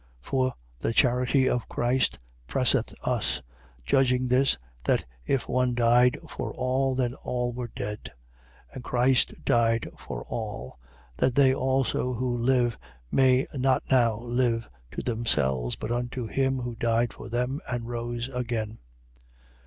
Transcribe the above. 5:14. For the charity of Christ presseth us: judging this, that if one died for all, then all were dead. 5:15. And Christ died for all: that they also who live may not now live to themselves, but unto him who died for them and rose again.